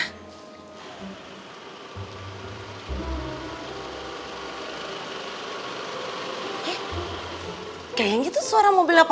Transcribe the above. eh kayaknya itu suara mobilnya papa